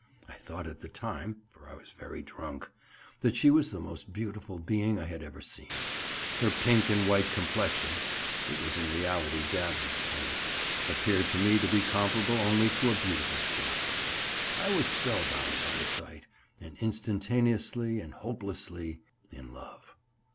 I thought at the time (for I was very drunk) that she was the most beautiful being I had ever seen; her pink and white complexion (it was in reality dabs of paint) appeared to me to be comparable only to a beautiful shell. I was spellbound by the sight, and instantaneously and hopelessly in love.